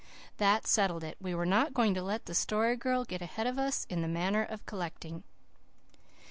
That settled it. We were not going to let the Story Girl get ahead of us in the manner of collecting.